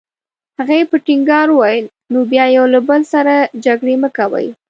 هغې په ټینګار وویل: نو بیا یو له بل سره جګړې مه کوئ.